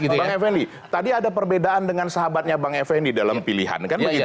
bang effendi tadi ada perbedaan dengan sahabatnya bang effendi dalam pilihan kan begitu